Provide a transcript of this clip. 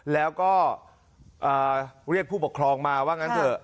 แล้วก็เรียกผู้ปกครองมาว่างั้นเถอะ